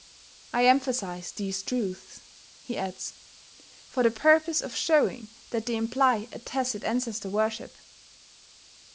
I emphasize these truths," he adds, "for the purpose of showing that they imply a tacit ancestor worship."